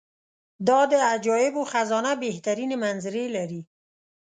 دا د عجایبو خزانه بهترینې منظرې لري.